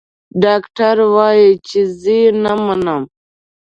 ډاکټر وايي چې زه يې نه منم.